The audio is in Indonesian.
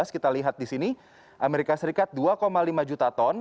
kita lihat di sini amerika serikat dua lima juta ton